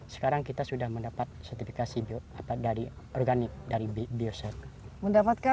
sekarang kita sudah mendapat sertifikasi dari organik dari bioset